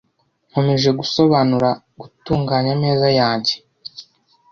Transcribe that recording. Nkomeje gusobanura gutunganya ameza yanjye .